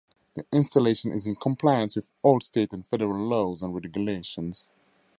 The installation is in compliance with all state and federal laws and regulations.